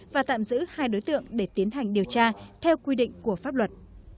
và tạm giữ hai đối tượng để tiến hành điều tra theo quy định của pháp luật